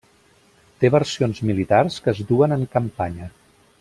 Té versions militars que es duen en campanya.